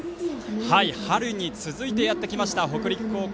春に続いてやってきました北陸高校。